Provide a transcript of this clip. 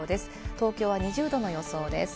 東京は２０度の予想です。